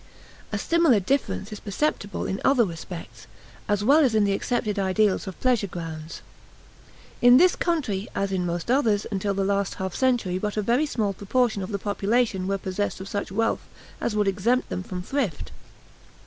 A similar difference is perceptible in other respects, as well as in the accepted ideals of pleasure grounds. In this country as in most others, until the last half century but a very small proportion of the population were possessed of such wealth as would exempt them from thrift.